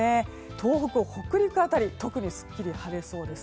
東北、北陸辺り特にすっきり晴れそうです。